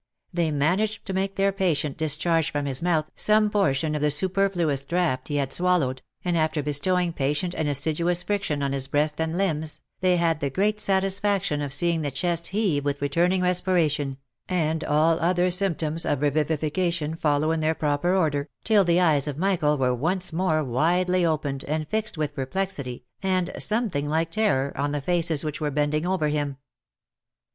They managed to make their patient discharge from his mouth some portion of the superfluous draught he had swallowed, and after bestowing patient and assiduous friction on his breast and limbs, they had the great satisfaction of seeing the chest heave with returning respiration, and all other symp toms of revivification follow in their proper order, till the eyes of Mi chael were once more widely opened, and fixed with perplexity, and something like terror, on the faces which were bending over him.